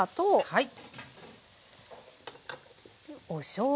はい。